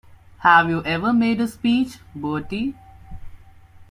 Have you ever made a speech, Bertie?